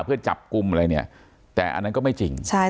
เพื่อจับกลุ่มอะไรเนี่ยแต่อันนั้นก็ไม่จริง